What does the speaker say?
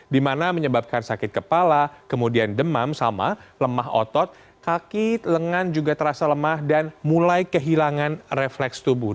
dimana menyebabkan sakit kepala kemudian demam sama lemah otot kaki lengan juga terasa lemah dan mulai kehilangan refleks tubuh